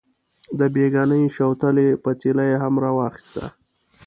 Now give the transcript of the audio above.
د بېګانۍ شوتلې پتیله یې هم راواخیسته.